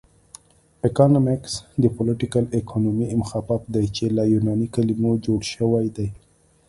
اکنامکس د پولیټیکل اکانومي مخفف دی چې له یوناني کلمو جوړ شوی دی